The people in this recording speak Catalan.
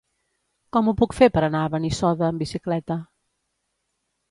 Com ho puc fer per anar a Benissoda amb bicicleta?